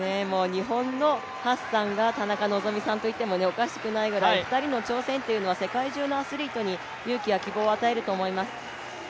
日本のハッサンが田中希実さんといってもおかしくないぐらい２人の挑戦というのは、世界中のアスリートに勇気や希望を与えると思います。